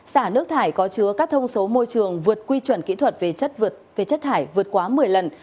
xả nước thải có chứa các thông số môi trường vượt quy chuẩn kỹ thuật về chất thải vượt quá một mươi lần